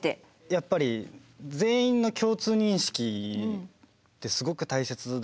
やっぱり全員の共通認識ってすごく大切だと思うんですよね。